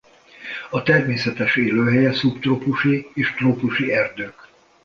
A természetes élőhelye szubtrópusi és trópusi erdők.